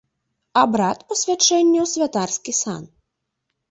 Абрад пасвячэння ў святарскі сан.